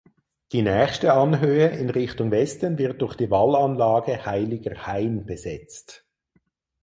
Die nächste Anhöhe in Richtung Westen wird durch die Wallanlage Heiliger Hain besetzt.